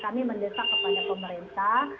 kami mendesak kepada pemerintah